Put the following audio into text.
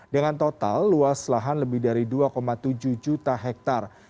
dengan total luas lahan lebih dari dua tujuh juta hektare